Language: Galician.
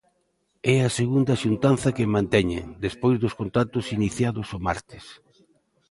É a segunda xuntanza que manteñen, despois dos contactos iniciados o martes.